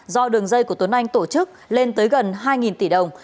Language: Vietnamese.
do đường dây của tuấn anh tổ chức lên tới gần hai tỷ đồng